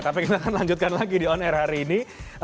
tapi kita akan lanjutkan lagi di on air hari ini